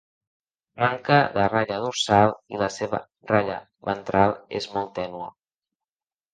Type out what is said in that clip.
Manca de ratlla dorsal i la seva ratlla ventral és molt tènue.